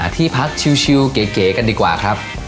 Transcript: ที่พักชิวเก๋กันดีกว่าครับ